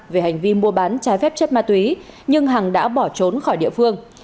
cảnh vi mua bán trái phép chất ma túy nhưng hằng đã bỏ trốn khỏi địa phương